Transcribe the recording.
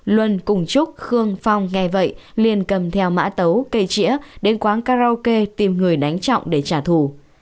luân cùng trúc khương phong nghe vậy liền cầm theo mã tấu cây trĩa đến quán karaoke tìm người đánh trọng để trả thù